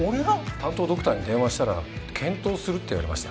担当ドクターに電話したら検討するって言われました